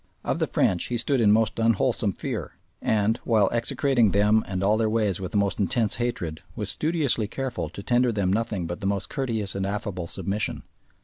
Of the French he stood in most unwholesome fear, and, while execrating them and all their ways with the most intense hatred, was studiously careful to tender them nothing but the most courteous and affable submission.